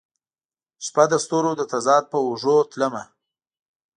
شپه د ستورو د تضاد په اوږو تلمه